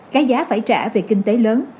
cái giá phải trả về kinh tế lớn